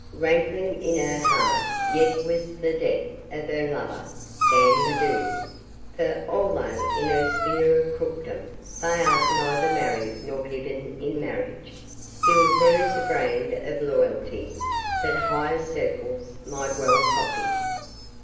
Rankling in her heart yet was the death of her lover, Dan the Dude. For, although in her sphere of crookdom they are neither married nor given in marriage, still there is a brand of loyalty that higher circles might well copy.